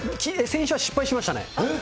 先週は失敗しましたね。